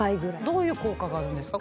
どういう効果があるんですか？